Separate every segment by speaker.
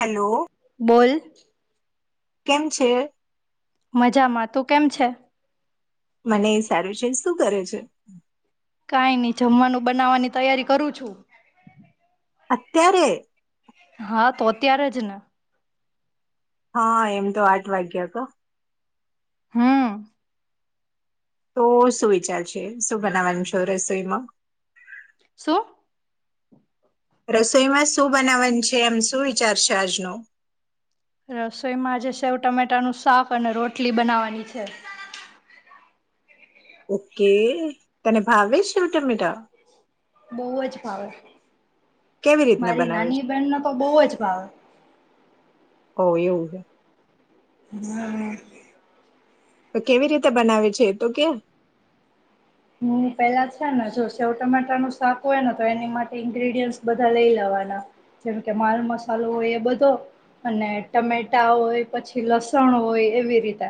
Speaker 1: Hello.
Speaker 2: બોલ.
Speaker 1: કેમ છે?
Speaker 2: મજામાં, તું કેમ છે?
Speaker 1: મને સારું છે, શું કરે છે?
Speaker 2: કાંઈ ની જમવાનું બનાવવાની તૈયારી કરું છું.
Speaker 1: અત્યારે?
Speaker 2: હા, તો અત્યારે જ ને.
Speaker 1: હા, એમ તો આઠ વાગ્યા કાં?
Speaker 2: હમ્મ.
Speaker 1: તો શું વિચાર છે? શું બનાવવાનું છે રસોઈમાં?
Speaker 2: શું?
Speaker 1: રસોઈમાં શું બનાવાની છે એમ શું વિચાર છે આજનો?
Speaker 2: રસોઈમાં આજે સેવ ટમેટાનું શાક અને રોટલી બનાવાની છે.
Speaker 1: ઓ કે. તને ભાવે સેવ ટમેટા?
Speaker 2: બવ જ ભાવે.
Speaker 1: કેવી રીતના
Speaker 2: મારી
Speaker 1: બનાવે
Speaker 2: નાની
Speaker 1: છે
Speaker 2: બેહેનનો તો બઉ જ ભાવે.
Speaker 1: ઓ એવું છે.
Speaker 2: હમ્મ.
Speaker 1: તો કેવી રીતે બનાવે છે? એ તો કે.
Speaker 2: હું પેલા છે ને જો સેવ ટમેટાનું શાક હોય ને તો એની માટે ઇન્ગ્રીડિયન્ટ બધા લઈ લેવાના. જેમ કે માલ મસાલો હોય એ બધો અને ટમેટા હોય, પછી લસણ હોય એવી રીતે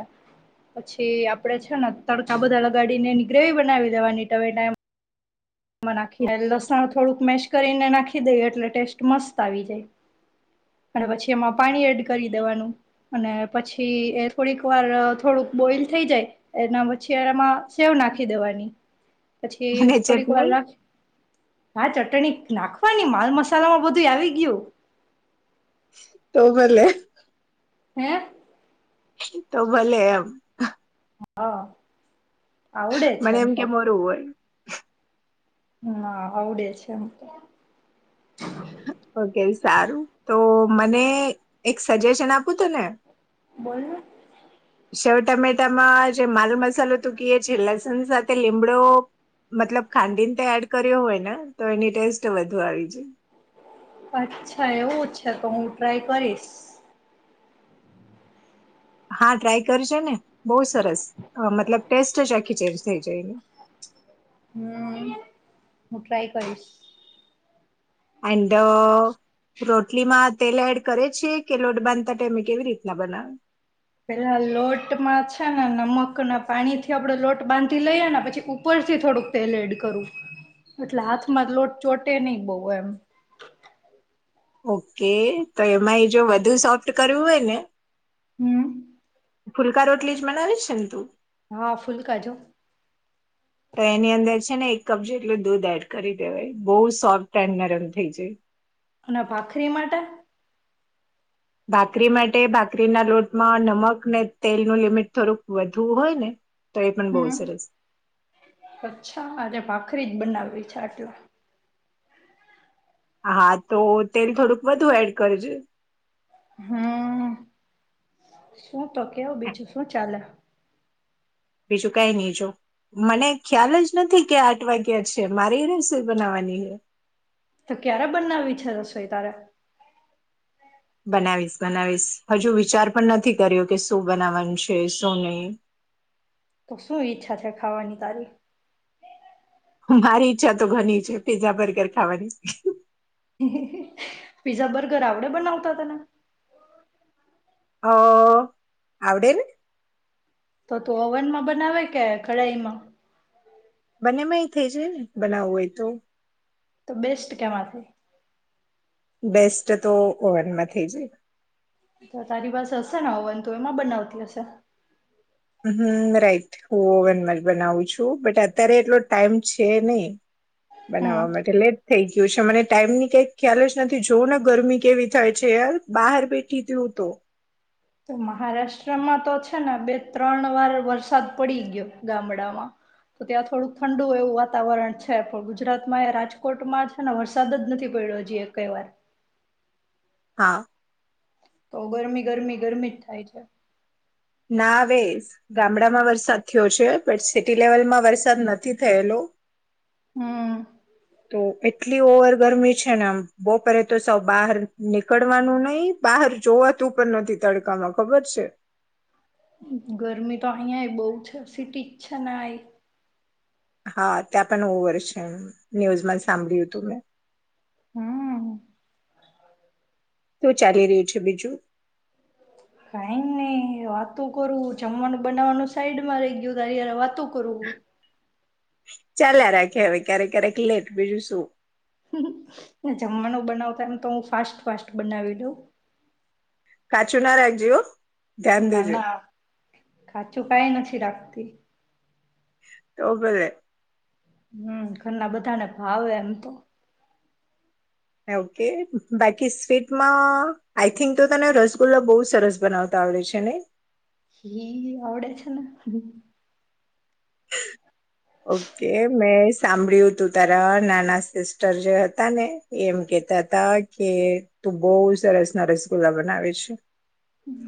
Speaker 2: પછી આપડે છે ને તડકા બધા લગાડીને એની ગ્રેવી બ નાવી દેવાની ટામેટા એમ એમાં નાખી ને લસણ થોડુંક મેેશ કરીને નાખી દઈએ એટલે ટેસ્ટ મસ્ત આવી જાય અને પછી એમાં પાણી એડ કરી દેવાનું અને પછી એ થોડીક વાર થોડુંક બોઈલ થઈ જાય એના પછી એનામાં સેવ નાંખી દેવાની. પછી
Speaker 1: અને
Speaker 2: થોડીક
Speaker 1: ચટણી
Speaker 2: [unintelligible] હા ચટણી નાખવાની, માલ મસાલામાં બધુંય આવી ગયું.
Speaker 1: તો ભલે
Speaker 2: હેં?
Speaker 1: તો ભલે એમ.
Speaker 2: હા. આવડે છે
Speaker 1: મને એમ કે મોરુ હોય
Speaker 2: ના, આવડે છે એમ તો.
Speaker 1: ઓ કે સારું, તો મને એક સજેશન આપું તને?
Speaker 2: બોલ ને.
Speaker 1: સેવ ટમેટામાં જે માલ મસાલો તુ કીએ છે, લસણ સાથે લીમડો મતલબ ખાંડીને તે એડ કર્યો હોય ને તો એની ટેસ્ટ વધુ આવી જાય.
Speaker 2: અચ્છા એવું છે તો હું ટ્રાય કરીશ.
Speaker 1: હા ટ્રાય કરજે ને બઉ સરસ, મતલબ ટેસ્ટ જ આખી ચેન્જ થઈ જાય એની.
Speaker 2: હમ્મ, હું ટ્રાય કરીશ.
Speaker 1: એન્ડ રોટલીમાં તેલ એડ કરે છે કે લોટ બાંધતા ટાઈમે? કેવી રીતના બનાવે?
Speaker 2: પેલા લોટમાં છે ને નમકના પાણીથી આપણે લોટ બાંધી લઈએ પછી ઉપરથી થોડુંક તેલ એડ કરું, એટલે હાથમાં લોટ ચોટે નઈ બઉ એમ.
Speaker 1: ઓ કે તો એમાં એ જો વધુ સોફ્ટ કરવું હોય ને
Speaker 2: હમ્મ.
Speaker 1: ફુલકા રોટલી જ બનાવે છે ને તું?
Speaker 2: હા, ફૂલકા જો.
Speaker 1: તો એની અંદર છે ને એક કપ જેટલું દૂધ એડ કરી દેવાય બઉ સોફ્ટ એન્ડ નરમ થઇ જાય.
Speaker 2: અના ભાખરી માટે?
Speaker 1: ભાકરી માટે ભાકરીના લોટમાં નમક ને તેલનું લિમિટ થોડુંક વધુ હોય ને તો એ પણ બહુ
Speaker 2: હમ્મ,
Speaker 1: સરસ
Speaker 2: અચ્છા આજે ભાખરી જ બનાવવી છે આ [unintelligible]
Speaker 1: હા તો તેલ થોડુંક વધુ એડ કરજે.
Speaker 2: હમ શું તો કેવું
Speaker 1: હા,
Speaker 2: બીજું શું ચાલે.
Speaker 1: બીજું કઈ નહી જો મને ખ્યાલ જ નથી કે આઠ વાગ્યા છે મારી રેસીપી બનાવવાની છે.
Speaker 2: તો ક્યારે બનાવી છે રસોઈ તારે.
Speaker 1: બનાવીશ બનાવીશ હજુ વિચાર પણ નથી કર્યો કે શું બનાવાનું છે શું નહી.
Speaker 2: તો શું ઈચ્છા છે ખાવાની તારી.
Speaker 1: મારી ઈચ્છા તો ઘણી છે પીઝા બર્ગર ખાવાની.
Speaker 2: પીઝા બર્ગર આવડે બનાવતા તને.
Speaker 1: હ આવવડે ને.
Speaker 2: તો તું ઓવનમાં બનાવે કે કડાઈમાં.
Speaker 1: બંનેમાં એ થઈ છેને બનાવું હોય તો.
Speaker 2: તો બેસ્ટ કેમાંથી.
Speaker 1: બેસ્ટ તો ઓવનમાં થઈ જ.
Speaker 2: તો તારી પાસે હશે ને ઓવન તો એમાં બનાવતી હશે.
Speaker 1: હમ રાઈટ હું ઓવનમાં જ બનાવું છું બટ અત્યારે એટલો ટાઈમ છે નહી.
Speaker 2: હમ
Speaker 1: બનાવવા માટે એટલે થઈ ગયું છે મને ટાઈમ ની કઈ ખ્યાલ જ નથી જો ને ગરમી કેવી થાય છે યાર બહાર બેઠી તો હું તો.
Speaker 2: તો મહારાષ્ટ્રમાં તો છે ને બે ત્રણ વાર વરસાદ પડી ગયો ગામડામાં તો ત્યાં થોડુંક ઠંડુ એવું વાતાવરણ છે પણ ગુજરાતમાં એ રાજકોટમાં છે ને વરસાદ જ નથી પડ્યો જેઈએ કઈ વાર.
Speaker 1: હા
Speaker 2: તો ગરમી ગરમી ગરમી જ થાય છે.
Speaker 1: ના વેઝ ગામડામાં વરસાદ થયો છે પણટ સિટી લેવલમાં વરસાદ નથી થયેલો.
Speaker 2: હમ
Speaker 1: તો એટલી ઓવર ગરમી છે ને આમ બપોરે તો સૌ બહાર નીકળવાનું નહિ બહાર જોવાતું પણ નથી તડકામાં ખબર છે.
Speaker 2: ગરમી તો અહિયાં બહુ છે સિટી જ છે ને આ
Speaker 1: હા ત્યાં પણ ઓવર છે ન્યૂઝમાં સાંભળ્યું હતું મેં.
Speaker 2: હમ
Speaker 1: શું ચાલી રહ્યું છે બીજું.
Speaker 2: કાઈ નઈ વાતું કરું જમવાનું બનાવાનું સાઈડ માં રહી ગયું તાર વાતું કરુ.
Speaker 1: ચાલ રાખે હવે ક્યારેક ક્યારેક લેટ બીજું શું.
Speaker 2: જમવાનું બનાવતા એમ તો હું ફાસ્ટ ફાસ્ટ બનાવી દઉં.
Speaker 1: કાચું નારા એક જ હ.
Speaker 2: ના ના કાચું કાઈ નથી રાખતી.
Speaker 1: તો બલે
Speaker 2: હમ ઘરના બધાને ભાવે એમ તો
Speaker 1: ઓકે બાકી સ્વીટમાં આઈ થિંક તો તને રસગુલ્લા બહુ સરસ બનાવતા આવડે છે ને
Speaker 2: હી આવડે છે
Speaker 1: ઓકે મેં સાંભળ્યું તું તારા નાના સિસ્ટર જે હતા ને એ એમ કેતા હતા કે તું બહવ સરસ ના રસગુલ્લા બનાવે છે.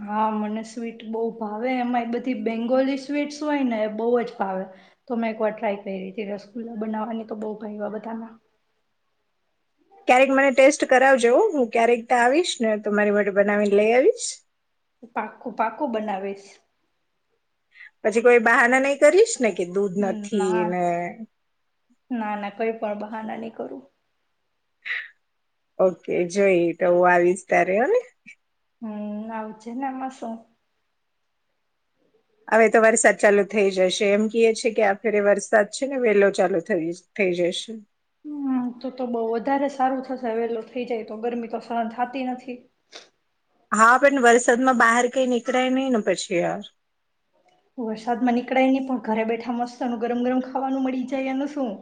Speaker 2: હા મને સ્વીટ બહુ ભાવે એમાં એ બધી બેંગોલી સ્વીટ હોય ને એ બહ જ ભાવે તો મેં એક વાર ટ્રાય કરી હતી રસગુલ્લા બનાવાની તો બઉ ભાવ બધાના
Speaker 1: ક્યારેક મને ટેસ્ટ કરાવજવ હું ક્યારેક ત આવીશ ને તો મારી માટે બનાવીને લઈ આવીશ
Speaker 2: પાકું પાકું બનાવીશ
Speaker 1: પછી કોઈ બહારના નહી કરીશ ને કે દૂધ નથી
Speaker 2: ના
Speaker 1: ને
Speaker 2: ના ના કોઈ પરવા હા ના ન કરો
Speaker 1: ઓકે જોઈએ તો હ આ વિસ્તાર હો ને
Speaker 2: હમ આવ છેેને માસું
Speaker 1: હવે તો વારી સાચાલુ થઇ જશે એમ ગ છે કે્યા ફે એ વાર સાત છે ને વેલો ચાલુ થ થઈ જશે
Speaker 2: હમ તો તો બહ વધારે સારું થશે હવેલો થઈ જાય તો ગરમી તો સર થતી નથી
Speaker 1: હા પણ વરસાદમાં બહાર કઈ નીકળાય નહી ને પછી યાર
Speaker 2: વરસાદ માં નીકળાય નહી પણ ઘરે બેઠા મસ્તનું ગરમ ગરમ ખાવાનું મળી જાય એનું શું?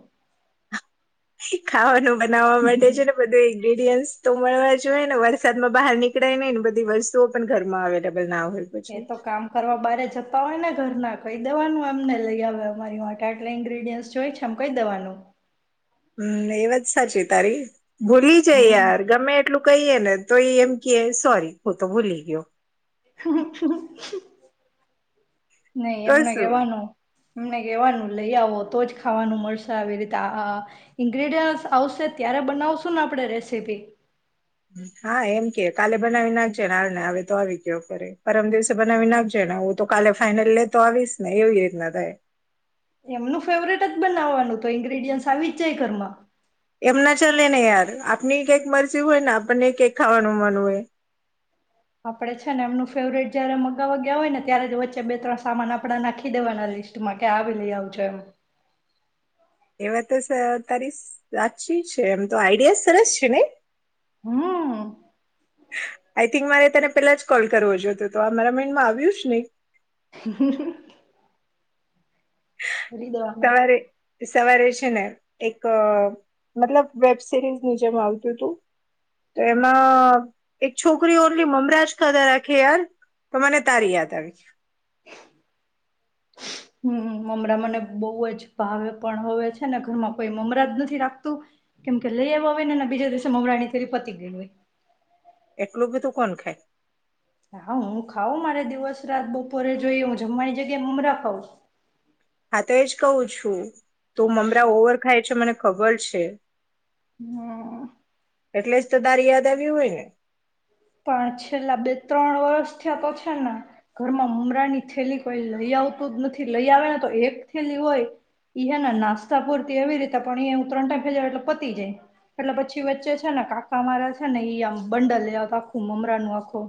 Speaker 1: ખાવાનું બનાવવા માટે છે ને બધું ઇ્રીડયન્ટ તો મળવા જોઈએ ને વરસાદમાં બહાર નીકળાયે નને ને બધી વસ્તુઓ પણ ઘરમાં અવેલેબલ ના હોય
Speaker 2: એ
Speaker 1: પછી
Speaker 2: તો કામ કરવા બારે જતા હોય ને ઘરના કઈ દવાનું એમને લઈ આવે અમારી માટે આટલા ઇન્ગ્રીડિયન્ટ જોય છે આમ કઈ દવાનું
Speaker 1: હમ એ વાત સાચી તારી ભૂલી જાય
Speaker 2: હમ
Speaker 1: યાર ગમે એટલું? કહીએ ને તો એ એમ ક સોરી હું તો ભૂલી ગયો
Speaker 2: હ નહી
Speaker 1: તો
Speaker 2: એમને
Speaker 1: શું
Speaker 2: કેવાનું એમને કેવાનું લઈ આવો તો જ ખાવાનું મળશે આવી રીતે આ ઇન્ગ્રીડિય આવશે ત્યારે બનાવશું ને આપણે રેસીપી
Speaker 1: હા એમ કે કાલે બનાવી નાખજે ને આવને આવે તો આવી ગયો કરે પરમ દિવસે બનાવી નાખજે ને આવું તો કાલે ફાાઈનલ લેતો આવીશ ને એવી રીતના થાય
Speaker 2: એમનું ફેવરેટ જ બનાવાનું તો ઇન્ગ્રીડિયન્ટ આવી જ જ ઘરમાં
Speaker 1: એમના ચાલે ને યાર આપણી કેક મરસી હોય ને આપણને કેક ખાવાનું મન હોય
Speaker 2: આપડે છે ને એમનું ફેવરટ જયારે મગાવવા ગયા હોય ને ત્યારે જ વચ્ચે બે ત્રણ સામાન આપડા નાખી દેવાના લિસ્ટમાં કે આવી લઈ આવજો એમ
Speaker 1: એવા તો તારી સાચી છે એમ તો આઈડિયા સરસ છે ને
Speaker 2: હમ
Speaker 1: આઈ થિંક મારે તેને પેલા જ કોલ કરવો જો હતો તો આ મારા માઈન્ડમાં આવ્યું છે ને
Speaker 2: હ કરીરી દવાના
Speaker 1: સવારે સવારે છે ને એક મતલબ વેબ સિરીઝની જેમ આવતું હતું તો એમાં એક છોકરી ઓનલી મમરાજ ખાધા રાખે યાર તો મને તારી યાદ આવી
Speaker 2: હમ મમરા મને બહુ જ ભાવે પણ હવે છે ને ઘરમાં કોઈ મમરા જ નથી રાખતું કેમ કે લઈ આવવા હોય ને ને બીજા દિવસે મમરાની તેરી પતી ગય હોય
Speaker 1: એટલું બધું કોણ ખાય
Speaker 2: હા હું ખાાવ મારે દિવસ રાત બપોરે જોઈ હું જમવાની જગ્યાએ મમરા ખઉં
Speaker 1: તેજ કહું છું તો મમરા ઓવર ખાઈ મને ખબર છે
Speaker 2: હમ
Speaker 1: એટલે જ તો દાર યાદ આવ્યું હોય ને
Speaker 2: પણ છેલ્લા બે ત્રણ વર્ષ થયા તો છે ને ઘરમાં ઉમરા ની થેલી કોઈ લઈ આવતું જ નથી લઈ આવે ને તો એક થેલી હોય ઈ હે ને નાસ્તા પૂરતી એવી રીતે પણ એ હું ત્રણ ટાઈમ ખે જ એટલે પતી જાય એટલે પછી વચ્ચે છે ને કાકા મારા છે ને આમ બંડલ લે આવતા. મમરા ન આખો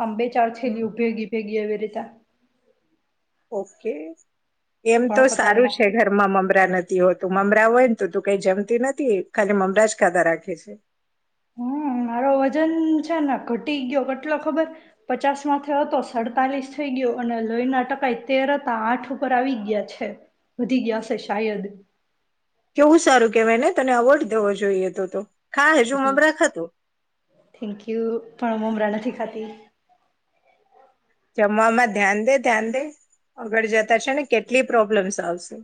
Speaker 2: આમ બે ચાર છેલીઓ ભેગી ભેગી એ રીતા
Speaker 1: ઓકે એમ તો
Speaker 2: પતાવી
Speaker 1: સારું છે
Speaker 2: નાખતી
Speaker 1: ઘરમાં મમરા નથી હોતું મમરા હોય ને તો તું કઈ જમતી નથી ખાલી મમરા જ ખાધા રાખે છે
Speaker 2: હમ મારો વજન છે ને ઘટી ગયો કેટલો ખબર પચાસ માંથી હતો સડતાલીસ થઈ ગયો અને લોહી ના ટકાઈ તેર હતા આઠ ઉપર આવી ગયા છે વધી ગયા છે શાયદ
Speaker 1: કેવું સારું કેહેવાય ને તને અવોર્ડ દેવો જોઈએ તો તો ખા હજુ મમરા ખાતું
Speaker 2: થેન્ક યુ પણ મમરાને ી ખાતી
Speaker 1: રમવામાં ધ્યાન દે ધ્યાન દે આગળ જતા છે ને કેટલી પ્રોબ્લેમ્સ આવશે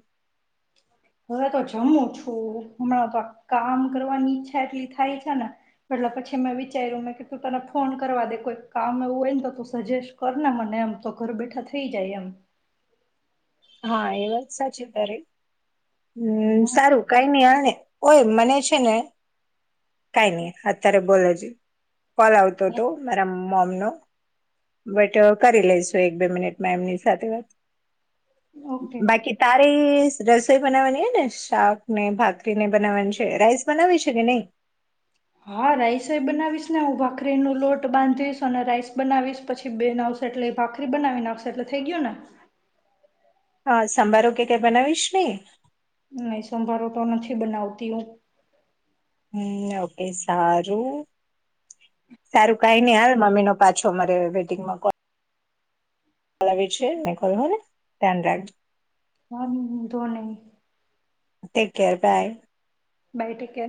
Speaker 2: હવે તો જમું છું હમણાં તો કામ કરવાની ઈચ્છા એટલી થાય છે ને એટલે પછી મેં વિચાર્યું મેં કે તું તને ફોન કરવા દે કોઈ કામ એવું હોય ને તો તું સજેસ્ટ કર ને મને એમ તો ઘર બેઠા થઈ જાય એમ
Speaker 1: હા એ વાત સાચી તારે, હમ સારું કઈ નઈ આવે ઓય મને છે ને કઈ નહી અત્યારે બોલે છે કોલ આવતો હતો મારા મોમ ન. બટ કરી લઈેશું એક બે મિનિટમાં એમની સાથે વાત
Speaker 2: ઓકે
Speaker 1: બાકી તારી રસ બનાવાની ને શાક ને ભાખરીને બનાવવાની છે રાઈસ બનાવી છે કે નહી
Speaker 2: હા રાઈસ બનાવીશ ને હું ભાખરી નું લોટ બાંધીશ અને રાઈસ બનાવીશ પછી બેન આવશે એટલે ભાખરી બનાવીને આવશે એટલે થઈ ગયો ને
Speaker 1: હા સાંભારો કે કઈ બનાવીશ ને
Speaker 2: નહી સોમભરોો તો નથી બનાવતી હું
Speaker 1: હમ ઓકે સારું સારું કઈ નહ હાલ મમ્મી નો પાછો મારે વેડિંગમાં કોલ બલાવી છે મેખલ હોલ ટન્ડ રગ
Speaker 2: હા હ ધોને
Speaker 1: ટટેક કેર બાય
Speaker 2: બઈટ કે